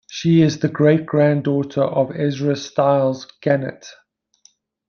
She is the great-granddaughter of Ezra Stiles Gannett.